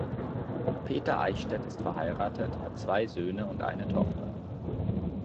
Peter Eichstädt ist verheiratet, hat zwei Söhne und eine Tochter.